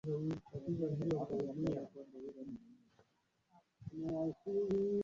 ingawa baadhi yao hawakuijua vizuri sana